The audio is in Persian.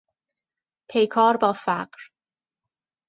پیکار بافقر